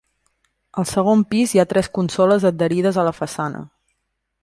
Al segon pis hi ha tres consoles adherides a la façana.